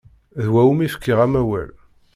D wa umi fkiɣ amawal.